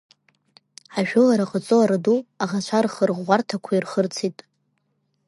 Ажәылара ҟаҵо Араду, аӷацәа рхырӷәӷәарҭақәа ирхырцеит.